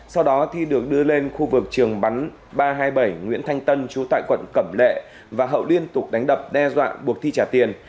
sau đó thi được đưa lên khu vực trường bắn ba trăm hai mươi bảy nguyễn thanh tân chú tại quận cẩm lệ và hậu liên tục đánh đập đe dọa buộc thi trả tiền